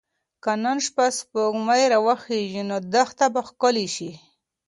که نن شپه سپوږمۍ راوخیژي نو دښته به ښکلې شي.